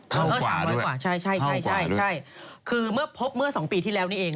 เออ๓๐๐กว่าใช่ใช่คือเมื่อพบเมื่อ๒ปีที่แล้วนี่เอง